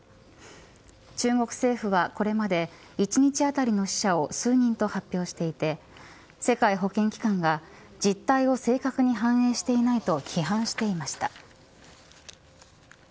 中国政府はこれまで１日当たりの死者を数人と発表していて世界保健機関が実態を正確に反映していないと批判していました。